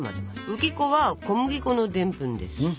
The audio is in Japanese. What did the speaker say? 浮き粉は小麦粉のでんぷんです。